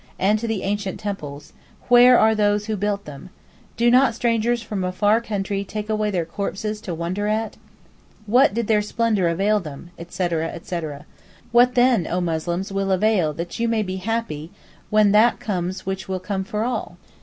and to the ancient temples, 'Where are those who built them? Do not strangers from a far country take away their very corpses to wonder at? What did their splendour avail them? etc., etc. What then, O Muslims, will avail that you may be happy when that comes which will come for all?